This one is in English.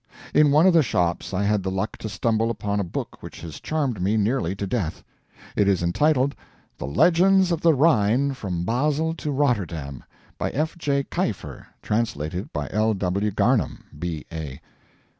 In one of the shops I had the luck to stumble upon a book which has charmed me nearly to death. It is entitled THE LEGENDS OF THE RHINE FROM BASLE TO ROTTERDAM, by F. J. Kiefer; translated by L. W. Garnham, B.A.